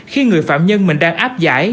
khi người phạm nhân mình đang áp giải